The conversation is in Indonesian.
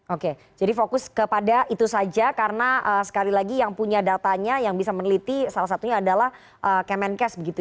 oke jadi fokus kepada itu saja karena sekali lagi yang punya datanya yang bisa meneliti salah satunya adalah kemenkes begitu